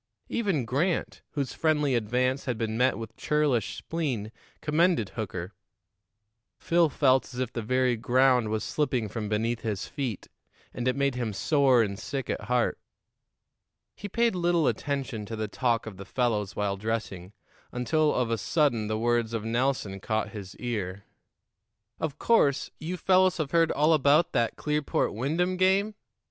Even Grant, whose friendly advance had been met with churlish spleen, commended Hooker. Phil felt as if the very ground was slipping from beneath his feet, and it made him sore and sick at heart. He paid little attention to the talk of the fellows while dressing, until of a sudden the words of Nelson caught his ear. "Of course, you fellows have heard all about that Clearport Wyndham game?